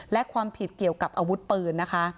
และความผิดเกี่ยวกับอาวุธปืนนะคะ